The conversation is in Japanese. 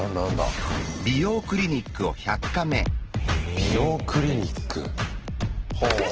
「美容クリニック」はあっ。